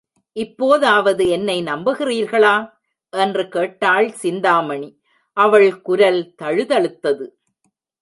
இப்போதாவது என்னை நம்புகிறீர்களா? என்று கேட்டாள் சிந்தாமணி அவள் குரல் தழுதழுத்தது.